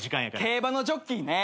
競馬のジョッキーね。